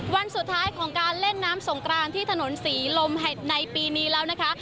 วันสุดท้ายของการเล่นน้ำสงกรานที่ถนนศรีลมเห็ดในปีนี้แล้วนะคะ